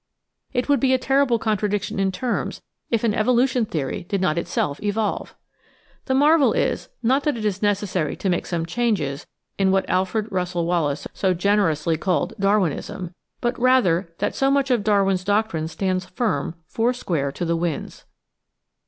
It would be a terrible contradiction in terms if an evolution theory did not itself evolve 1 The marvel is, not that it is necessary to make some changes in what Alfred Russel Wallace so generously called "Darwinisih," but rather that so much of Darwin's doctrine stands firm, foiu* square to the winds.